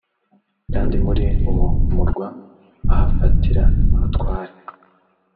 kandi muri uwo murwa ahafatira umutware